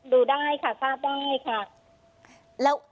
ดูได้ค่ะทราบได้ค่ะ